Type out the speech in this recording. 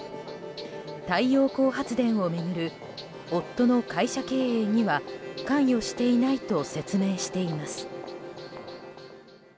太陽光発電を巡る夫の会社経営には関与していないと説明しています。